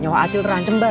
nyawa acil terancam bar